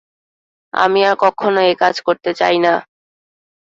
আমি আর কক্ষনো একাজ করতে চাই না!